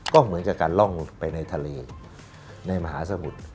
ก็เหมือนกับการล่องไปในทะเลในมหาสมุทร